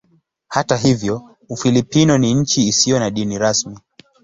Hata hivyo Ufilipino ni nchi isiyo na dini rasmi.